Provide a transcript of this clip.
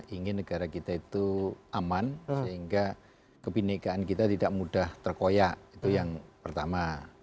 ingin negara kita itu aman sehingga kebenekaan kita tidak mudah terkoyak itu yang pertama